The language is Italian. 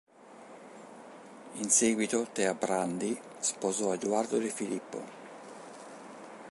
In seguito Thea Prandi sposò Eduardo de Filippo.